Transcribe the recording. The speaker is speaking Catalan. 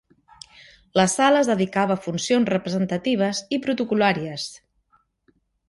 La sala es dedicava a funcions representatives i protocol·làries.